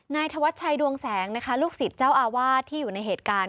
นายธวัชชัยดวงแสงนะคะลูกศิษย์เจ้าอาวาสที่อยู่ในเหตุการณ์